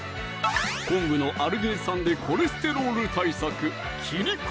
昆布のアルギン酸でコレステロール対策